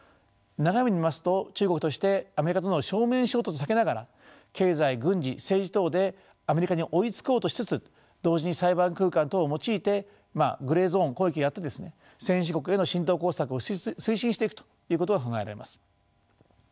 長い目で見ますと中国としてアメリカとの正面衝突は避けながら経済軍事政治等でアメリカに追いつこうとしつつ同時にサイバー空間等を用いてグレーゾーン攻撃をやって先進国への浸透工作を推進していくということが考えられます。